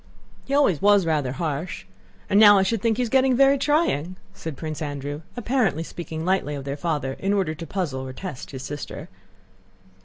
"He always was rather harsh; and now I should think he's getting very trying," said Prince Andrew, apparently speaking lightly of their father in order to puzzle or test his sister.